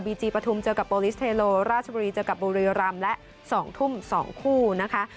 จีปฐุมเจอกับโปรลิสเทโลราชบุรีเจอกับบุรีรำและ๒ทุ่ม๒คู่นะคะ